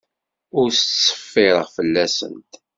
Ur ttṣeffireɣ fell-asent.